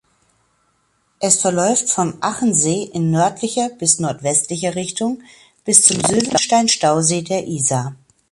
Es verläuft vom Achensee in nördlicher bis nordwestlicher Richtung bis zum Sylvenstein-Stausee der Isar.